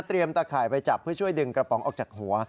ตะข่ายไปจับเพื่อช่วยดึงกระป๋องออกจากหัว